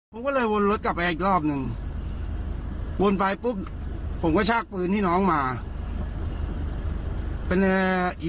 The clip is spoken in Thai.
กลับไปอีกรอบนึงวนไปปุ๊บผมก็ชักปืนให้น้องมาเป็นไอ้